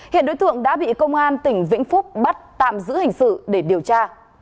hiện đối tượng đã bị công an tỉnh vĩnh phúc bắt tạm giữ hình sự để điều tra